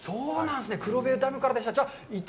「黒部ダムカレー」からでした。